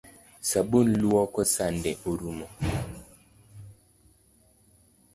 Sabun luoko sande orumo